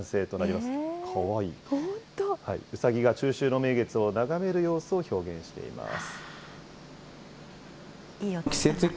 うさぎが中秋の名月を眺める様子を表現しています。